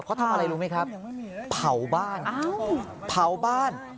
เขาทำอะไรรู้ไหมครับเผาบ้านเผาบ้าน